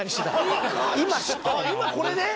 今これで？